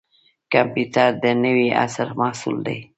کمپیوټر د نوي عصر محصول دی